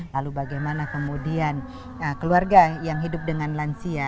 lalu bagaimana kemudian keluarga yang hidup dengan lansia